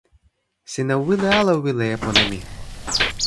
sina wile ala wile e pona mi?